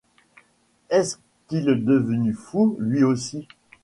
Est-ce qu’il est devenu fou, lui aussi ?…